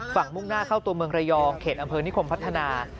มุ่งหน้าเข้าตัวเมืองระยองเขตอำเภอนิคมพัฒนา